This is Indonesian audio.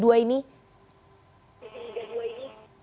kompetisi liga dua ini